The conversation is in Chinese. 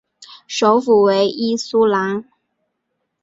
首府为伊苏兰。